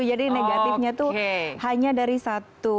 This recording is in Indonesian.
jadi negatifnya itu hanya dari satu